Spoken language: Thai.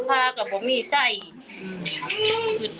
อยากให้สังคมรับรู้ด้วย